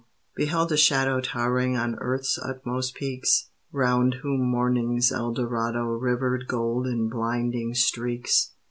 beheld a shadow Towering on Earth's utmost peaks; 'Round whom morning's eldorado Rivered gold in blinding streaks.